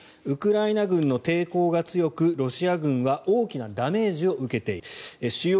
ウクライナ軍の抵抗が強くロシア軍は大きなダメージを受けている。